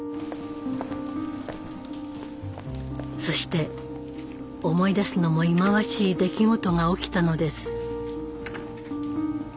そして思い出すのも忌まわしい出来事が起きたのです。